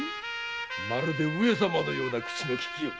まるで上様のような口のききよう。